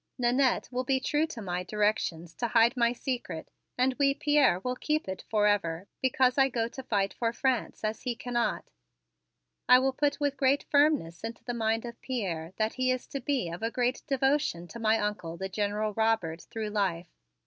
Nannette will be true to my directions to hide my secret, and wee Pierre will keep it forever because I go to fight for France as he cannot. I will put with great firmness into the mind of Pierre that he is to be of a great devotion to my Uncle, the General Robert, through life.